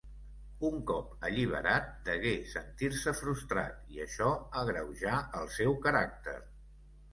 Un cop alliberat, degué sentir-se frustrat i això agreujà el seu caràcter.